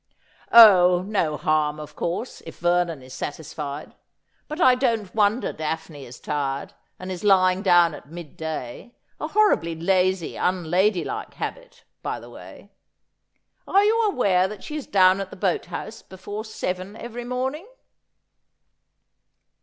' Oh, no harm, of course, if Vernon is satisfied. But I don't wonder Daphne is tired, and is lying down at mid day — a horribly lazy, unladylike habit, by the way. Are you aware that she is down at the boat house before seven every morn ing